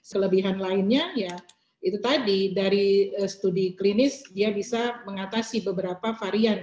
kelebihan lainnya ya itu tadi dari studi klinis dia bisa mengatasi beberapa varian